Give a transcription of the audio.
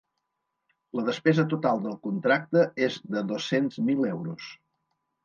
La despesa total del contracte és de dos-cents mil euros.